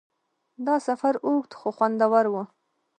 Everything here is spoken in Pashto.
دا سفر اوږد خو خوندور و.